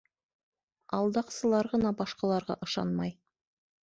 Алдаҡсылар ғына башҡаларға ышанмай.